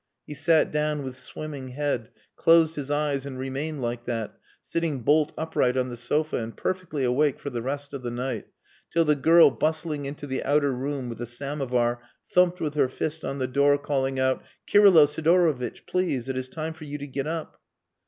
He sat down, with swimming head, closed his eyes, and remained like that, sitting bolt upright on the sofa and perfectly awake for the rest of the night; till the girl bustling into the outer room with the samovar thumped with her fist on the door, calling out, "Kirylo Sidorovitch, please! It is time for you to get up!"